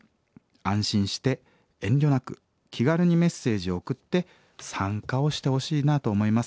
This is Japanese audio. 安心して遠慮なく気軽にメッセージを送って参加をしてほしいなと思います。